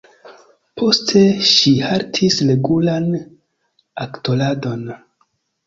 Poste, ŝi haltis regulan aktoradon.